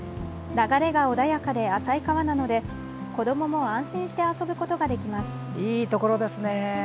流れが穏やかで浅い川なので子どもも安心して遊ぶことができます。